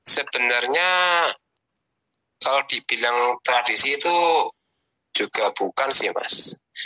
sebenarnya kalau dibilang tradisi itu juga bukan sih mas